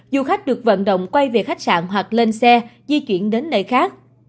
du khách được vận động quay về khách sạn hoặc lên xe di chuyển đến nơi khác